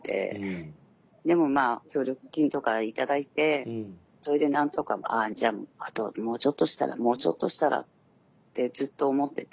でもまあ協力金とか頂いてそれで何とかあじゃああともうちょっとしたらもうちょっとしたらってずっと思ってて。